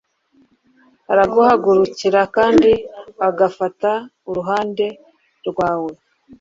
araguhagurukira kandi agafata uruhande rwawe